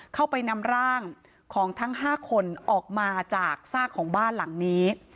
เข้าไปนำร่างของทั้ง๕คนออกมาจากซากของบ้านหลังนี้